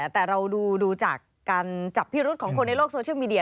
แต่เราดูจากการจับพิรุษของคนในโลกโซเชียลมีเดีย